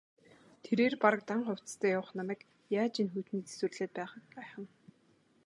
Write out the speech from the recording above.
Тэрээр бараг дан хувцастай явах намайг яаж энэ хүйтнийг тэсвэрлээд байгааг гайхна.